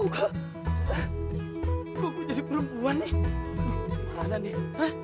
kok gue jadi perempuan nih